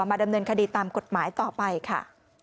ดำเนินคดีตามกฎหมายต่อไปค่ะ